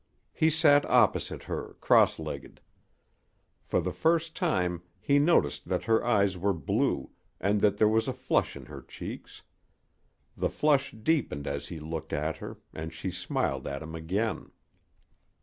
He sat opposite her, cross legged. For the first time he noticed that her eyes were blue and that there was a flush in her cheeks. The flush deepened as he looked at her, and she smiled at him again.